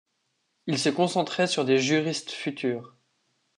Ils se concentraient sur des juristes futures.